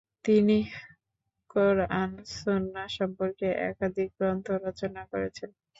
তিনি কুরআন সুন্নাহ সম্পর্কে একাধিক গ্রন্থ রচনা করেছেন।